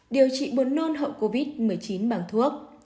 điều trị buồn nôn hậu covid một mươi chín bằng thuốc